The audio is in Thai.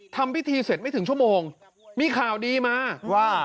ทำพิธีเสร็จไม่ถึงชั่วโมงมีข่าวดีมาว่า